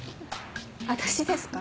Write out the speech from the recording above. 私ですか？